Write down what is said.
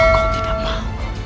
kalau tidak mau